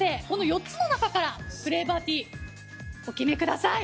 ４つの中からフレーバーティーお決めください。